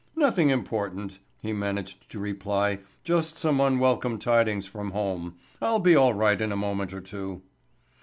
"Nothing important," he managed to reply. "Just some unwelcome tidings from home. I'll be all right in a moment or two."